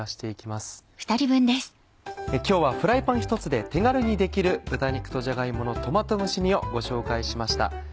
今日はフライパンひとつで手軽にできる「豚肉とじゃが芋のトマト蒸し煮」をご紹介しました。